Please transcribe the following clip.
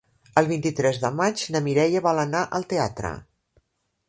El vint-i-tres de maig na Mireia vol anar al teatre.